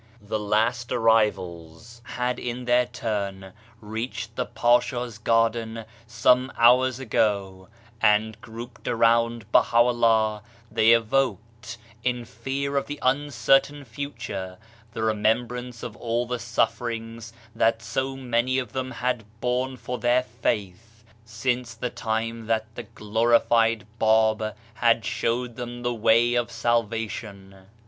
The last arrivals had in their turn reached the Pacha's garden some hours ago, and, grouped around BahaVllah, they evoked — in fear of the uncertain future — the remembrance of all the sufferings that so many of them had borne for their faith, since the time that the glorified Bab had shown them the way of salvation.